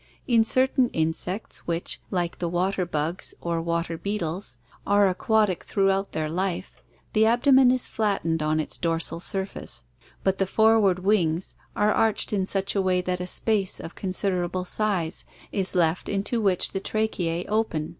In certain insects which, like the water bugs or water beetles, are aquatic throughout their life, the abdomen is flattened on its dorsal surface, but the forward wings are arched in such a way that a space of considerable size is left into which the tracheae open.